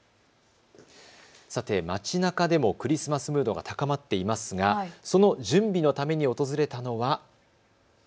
街なかでもクリスマスムードが高まっていますがその準備のために訪れたのは。